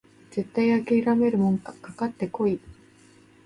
絶対あきらめるもんかかかってこい！